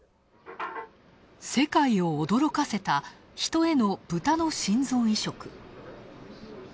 世界を驚かせた、人へのブタの心臓移植。